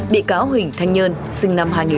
bị cáo huỳnh thanh nhơn sinh năm hai nghìn